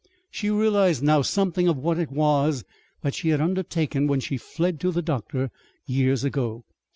She realized now something of what it was that she had undertaken when she fled to the doctor years ago.